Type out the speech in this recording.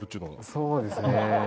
そうですね。